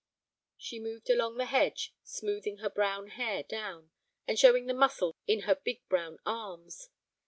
She moved along the hedge, smoothing her brown hair down, and showing the muscles in her big brown arms.